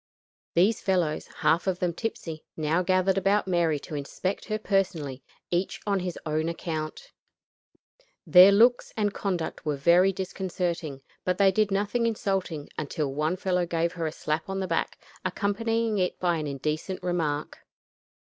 These fellows, half of them tipsy, now gathered about Mary to inspect her personally, each on his own account. Their looks and conduct were very disconcerting, but they did nothing insulting until one fellow gave her a slap on the back, accompanying it by an indecent remark.